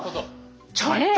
ちょっと！